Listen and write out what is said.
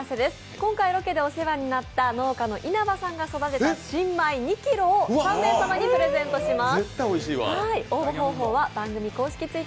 今回ロケでお世話になった農家の稲葉さんの作った新米２ｋｇを３名様にプレゼントします。